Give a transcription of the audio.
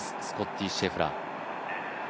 スコッティ・シェフラー。